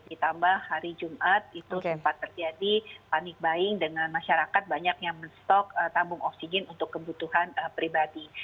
ditambah hari jumat itu sempat terjadi panik baing dengan masyarakat banyak yang menstok tambung oksigen untuk kebutuhan pribadi